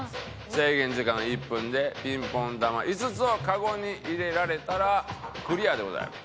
制限時間は１分でピンポン球５つをカゴに入れられたらクリアでございます。